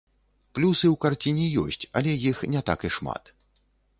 Плюсы ў карціне ёсць, але іх не так і шмат.